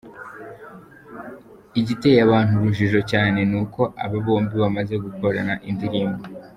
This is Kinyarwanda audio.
Igiteye abantu urujijo cyane ni uko aba bombi bamaze gukorana indirimbo.